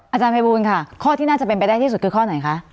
อาจารย์ภัยบูลค่ะข้อที่น่าจะเป็นไปได้ที่สุดคือข้อไหนคะ